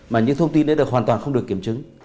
mà những thông tin đấy được hoàn toàn không được kiểm chứng